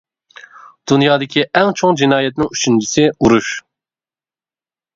دۇنيادىكى ئەڭ چوڭ جىنايەتنىڭ ئۈچىنچىسى: ئۇرۇش.